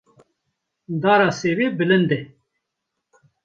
Dara sêvê bilind e.